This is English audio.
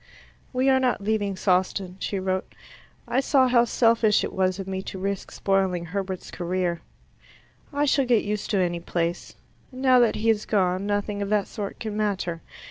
"We are not leaving Sawston," she wrote. "I saw how selfish it was of me to risk spoiling Herbert's career. I shall get used to any place. Now that he is gone, nothing of that sort can matter.